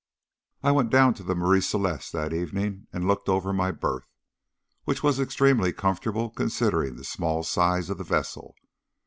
I went down to the Marie Celeste that evening, and looked over my berth, which was extremely comfortable considering the small size of the vessel.